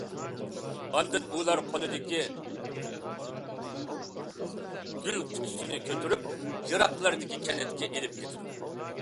ئاندىن ئۇلار قولىدىكى كۈل قۇتىسىنى كۆتۈرۈپ، يىراقلاردىكى كەنتىگە ئېلىپ كېتىدۇ.